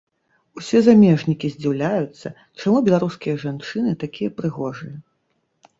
Усе замежнікі здзіўляюцца, чаму беларускія жанчыны такія прыгожыя.